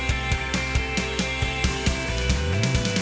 surya bersertif menjaga masyarakat ignored